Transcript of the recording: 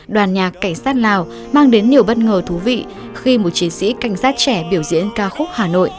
đoàn nhạc cảnh sát lào mang đến nhiều bất ngờ thú vị khi một chiến sĩ cảnh sát trẻ biểu diễn ca khúc hà nội